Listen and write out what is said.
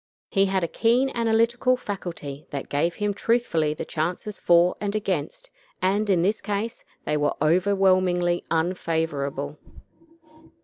He had a keen analytical faculty that gave him truthfully the chances for and against, and, in this case, they were overwhelmingly unfavorable.